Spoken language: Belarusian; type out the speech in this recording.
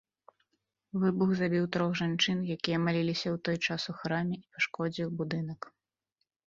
Выбух забіў трох жанчын, якія маліліся ў той час у храме, і пашкодзіў будынак.